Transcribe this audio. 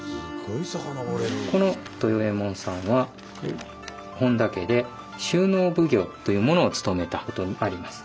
この豊右衛門さんは本多家で収納奉行というものを務めたとあります。